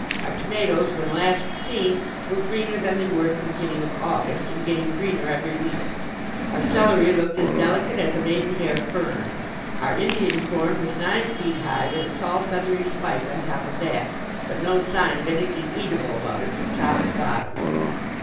Our tomatoes, when last seen, were greener than they were at the beginning of August, and getting greener every week. Our celery looked as delicate as a maidenhair fern. Our Indian corn was nine feet high with a tall feathery spike on top of that, but no sign of anything eatable about it from top to bottom.